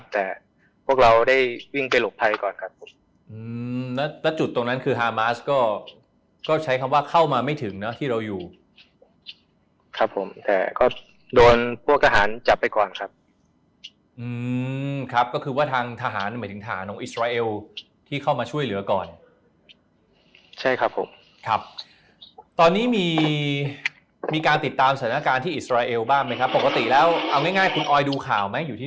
แต่พวกเราได้วิ่งไปหลบภัยก่อนครับแล้วจุดตรงนั้นคือฮามาสก็ก็ใช้คำว่าเข้ามาไม่ถึงเนอะที่เราอยู่ครับผมแต่ก็โดนพวกทหารจับไปก่อนครับอืมครับก็คือว่าทางทหารหมายถึงทหารของอิสราเอลที่เข้ามาช่วยเหลือก่อนใช่ครับผมครับตอนนี้มีมีการติดตามสถานการณ์ที่อิสราเอลบ้างไหมครับปกติแล้วเอาง่ายคุณออยดูข่าวไหมอยู่ที่